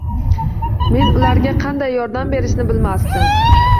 Men ularga qanday yordam berishni bilmasdim